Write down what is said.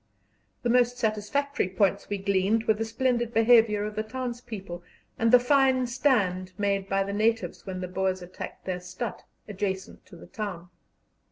The most satisfactory points we gleaned were the splendid behaviour of the townspeople, and the fine stand made by the natives when the Boers attacked their stadt, adjacent to the town.